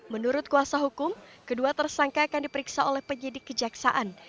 menurut kuasa hukum kedua tersangka akan diperiksa oleh penyidik kejaksaan